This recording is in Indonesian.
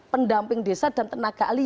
pendamping desa dan tenaga ahli